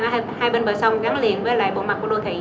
ở hai bên bờ sông gắn liền với bộ mặt của đô thị